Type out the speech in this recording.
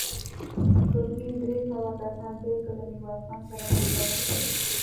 ګرګين درې سوه کسان بېل کړل، له ميرويس خان سره پورته وخوت.